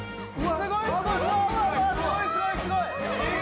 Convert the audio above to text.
すごいすごい！